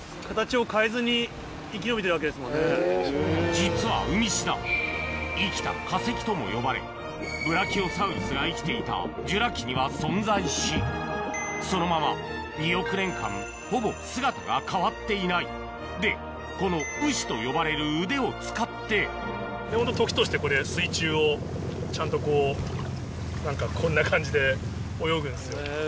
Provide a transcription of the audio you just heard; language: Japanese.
実はウミシダ生きた化石とも呼ばれブラキオサウルスが生きていたジュラ紀には存在しそのまま２億年間ほぼ姿が変わっていないでこの羽枝と呼ばれる腕を使ってちゃんとこう何か。